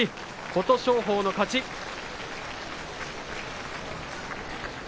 琴勝峰の勝ちです。